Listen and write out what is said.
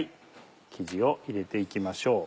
生地を入れて行きましょう。